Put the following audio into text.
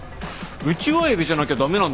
ウチワエビじゃなきゃ駄目なんですか？